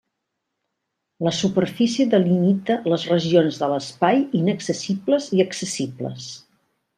La superfície delimita les regions de l'espai inaccessibles i accessibles.